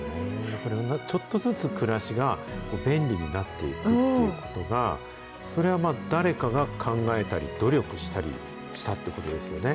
ちょっとずつ暮らしが便利になっていくということが、それはまあ、誰かが考えたり、努力したりしたということですよね。